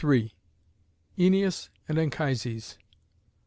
ÆNEAS AND ANCHISES.